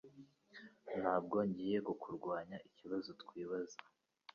Ntabwo ngiye kukurwanya ikibazo twibaza